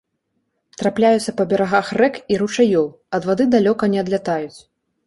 Трапляюцца па берагах рэк і ручаёў, ад вады далёка не адлятаюць.